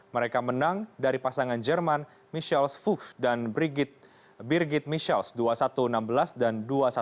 mereka menang dari pasangan jerman michels fuchs dan birgit michels dua ribu satu ratus enam belas dan dua ribu satu ratus lima belas